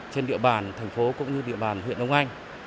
trên địa bàn thành phố cũng như địa bàn huyện đông anh